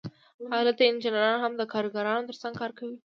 هلته انجینران هم د کارګرانو ترڅنګ کار کوي